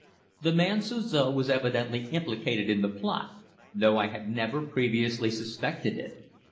The man Suzor was evidently implicated in the plot, though I had never previously suspected it!